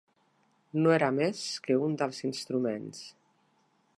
No era més que un dels instruments.